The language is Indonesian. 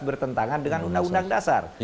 bertentangan dengan undang undang dasar